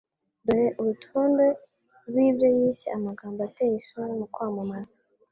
dore urutonde rwibyo yise amagambo ateye isoni mu kwamamaza